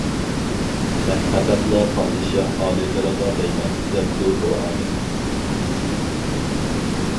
مەن پەقەتلا پادىشاھ ئالىيلىرىغا دەيمەن، دەپتۇ، ئۇ ئادەم.